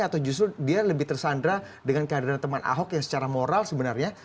atau justru dia lebih tersandra dengan kehadiran teman ahok yang secara moral sebenarnya